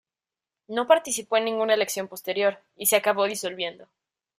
No participó en ninguna elección posterior, y se acabó disolviendo.